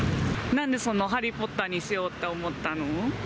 なんでそのハリー・ポッターにしようって思ったの？